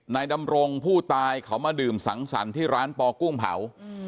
ดำรงผู้ตายเขามาดื่มสังสรรค์ที่ร้านปอกุ้งเผา